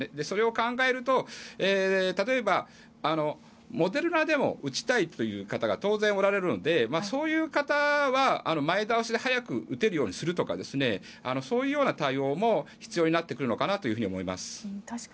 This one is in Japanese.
それを考えると例えばモデルナでも打ちたいという方が当然おられるのでそういう方は前倒しで早く打てるようにするとかそういう対応も必要になってくるのかなと思います。